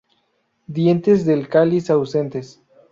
Dientes del cáliz ausentes.